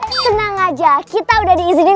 seneng aja kita udah diizinin